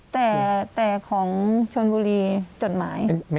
แต่ของชนบุรีจดหมาย